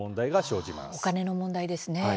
お金の問題ですね。